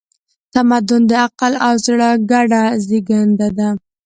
تمدن د عقل او زړه ګډه زېږنده ده.